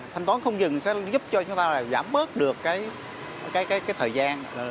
thành toán không dùng sẽ giúp cho chúng ta giảm bớt được cái thời gian